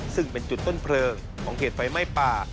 ซึ่งเป็นจุดต้นเพลิงของเหตุไฟไหม้ป่า